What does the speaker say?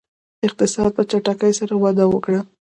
اقتصاد په چټکۍ سره وده وکړه.